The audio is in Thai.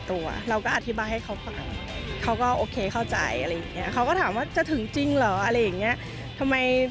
เขาก็ถามว่าจะถึงจริงเหรออะไรอย่างนี้